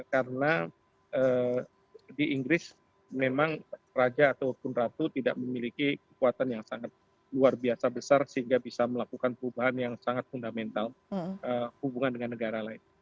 karena di inggris memang raja ataupun ratu tidak memiliki kekuatan yang sangat luar biasa besar sehingga bisa melakukan perubahan yang sangat fundamental hubungan dengan negara lain